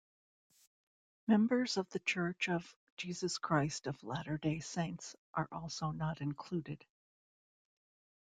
Members of the Church of Jesus Christ of Latter-day Saints are also not included.